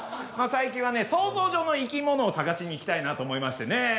まあ最近はね想像上の生き物を探しに行きたいなと思いましてね。